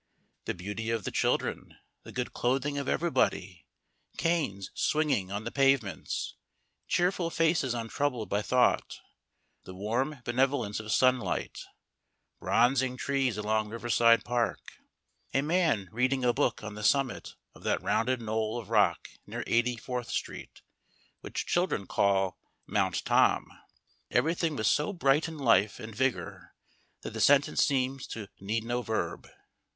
The beauty of the children, the good clothing of everybody, canes swinging on the pavements, cheerful faces untroubled by thought, the warm benevolence of sunlight, bronzing trees along Riverside Park, a man reading a book on the summit of that rounded knoll of rock near Eighty fourth Street which children call "Mount Tom" everything was so bright in life and vigour that the sentence seems to need no verb.